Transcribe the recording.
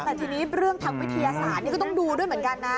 แต่ทีนี้เรื่องทางวิทยาศาสตร์นี่ก็ต้องดูด้วยเหมือนกันนะ